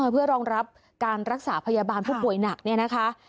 เพื่อรองรับการรักษาพยาบาลผู้ป่วยหนักเนี่ยนะคะ